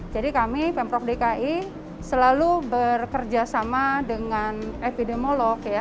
jadi kami pemprov dki selalu bekerja sama dengan epidemiolog ya